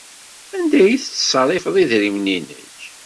Anda ay tettṣerrifeḍ idrimen-nnek?